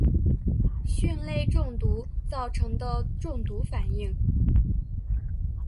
蕈类中毒造成的中毒反应。